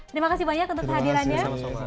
terima kasih banyak untuk kehadirannya